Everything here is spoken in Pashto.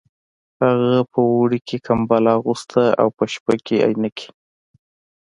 هغه په اوړي کې کمبله اغوسته او په شپه کې عینکې